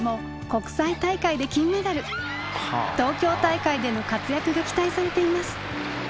東京大会での活躍が期待されています。